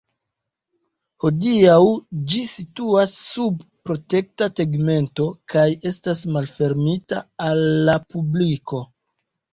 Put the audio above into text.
Hodiaŭ ĝi situas sub protekta tegmento kaj estas malfermita al la publiko.